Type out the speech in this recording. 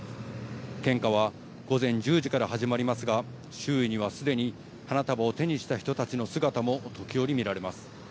献花は午前１０時から始まりますが、周囲にはすでに花束を手にした人たちの姿も時折見られます。